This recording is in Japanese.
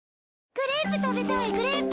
クレープ食べたいクレープ。